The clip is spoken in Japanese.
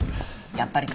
やっぱりか。